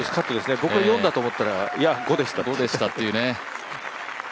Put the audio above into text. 僕は４だと思ったら、５でした。